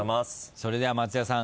それでは松也さん